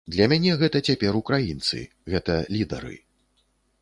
Для мяне гэта цяпер украінцы, гэта лідары.